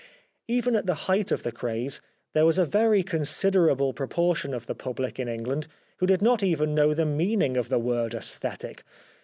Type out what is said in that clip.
Even at the height of the craze there was a very considerable proportion of the public in England which did not even know the meaning of the word aesthetic.